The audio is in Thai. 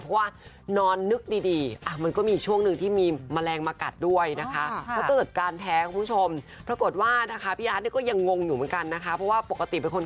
เพราะว่านอนนึกดี